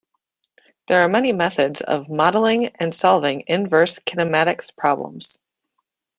There are many methods of modelling and solving inverse kinematics problems.